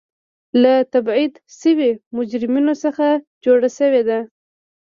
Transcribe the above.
له تبعید شویو مجرمینو څخه جوړه شوې وه.